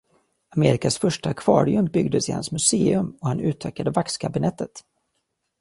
Amerikas första akvarium byggdes i hans museum och han utökade vaxkabinettet.